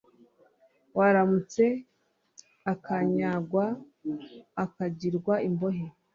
Wamuretse akanyagwa akagirwa imbohe